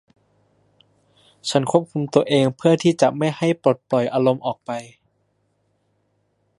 ฉันควบคุมตัวเองเพื่อที่จะไม่ให้ปลดปล่อยอารมณ์ออกไป